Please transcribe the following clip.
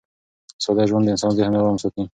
ساده ژوند د انسان ذهن ارام ساتي.